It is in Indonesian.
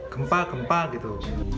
gempa gempa gitu